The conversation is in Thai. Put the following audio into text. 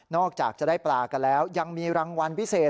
จากจะได้ปลากันแล้วยังมีรางวัลพิเศษ